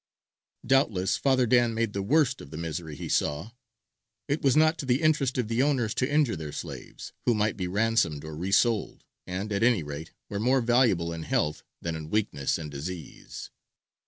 Doubtless Father Dan made the worst of the misery he saw: it was not to the interest of the owners to injure their slaves, who might be ransomed or re sold, and, at any rate, were more valuable in health than in weakness and disease.